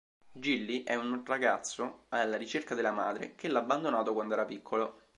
Gilly è un ragazzo alla ricerca della madre, che l'ha abbandonato quando era piccolo.